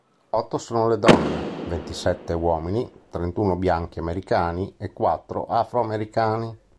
Otto sono le donne, ventisette uomini, trentuno bianchi americani e quattro afroamericani.